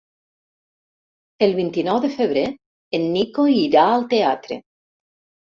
El vint-i-nou de febrer en Nico irà al teatre.